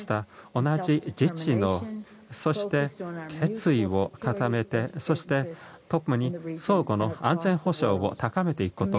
同じ自治の、そして決意を固めてそして特に相互の安全保障を高めていくこと